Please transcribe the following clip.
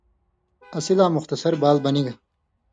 اسی لا مُختصر بال بنِگ۔